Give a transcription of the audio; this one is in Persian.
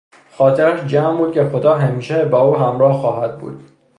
خاطرش جمع بود که خدا همیشه با او همراه خواهد بود.